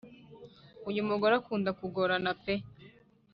uyu mugore akunda kugorana pe